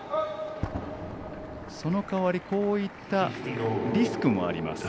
その代わり、こういったリスクもあります。